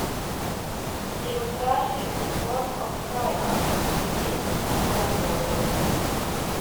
De demonstraasje wurdt hâlden op it Saailân en begjint om seis oere.